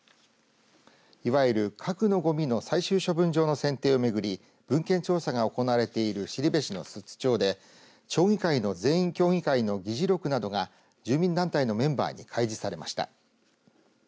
いわゆる、核のごみの最終処分場の選定をめぐり文献調査が行われている後志の寿都町で町議会の全員協議会の議事録などが住民団体のメンバーに開示されました。